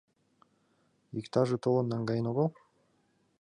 Иктаже толен наҥгаен огыл?!